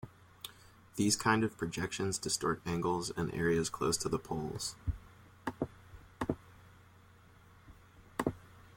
These kinds of projections distort angles and areas close to the poles.